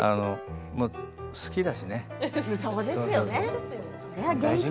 好きだしね。